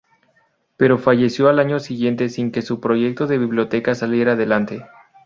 Pero falleció al año siguiente sin que su proyecto de biblioteca saliera adelante.